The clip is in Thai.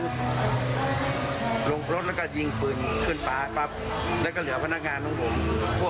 ลงรถแล้วก็ยิงปืนขึ้นปากปรับ